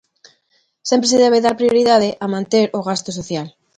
Sempre se debe dar prioridade a manter o gasto social.